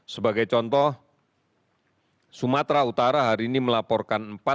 sebagai contoh sumatera utara hari ini melaporkan empat